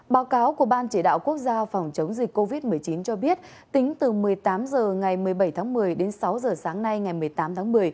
báo cáo của ban chỉ đạo quốc gia phòng chống dịch covid một mươi chín cho biết tính từ một mươi tám h ngày một mươi bảy tháng một mươi đến sáu h sáng nay ngày một mươi tám tháng một mươi